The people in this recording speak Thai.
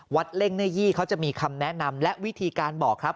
เล่งเนยี่เขาจะมีคำแนะนำและวิธีการบอกครับ